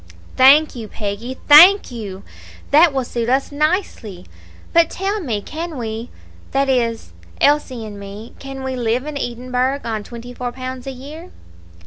"Thank you, Peggy, thank you; that will suit us nicely. But tell me, can we that is, Elsie and me can we live in Edinburgh on twenty four pounds a year?"